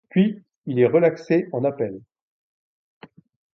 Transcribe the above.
Puis, il est relaxé en appel.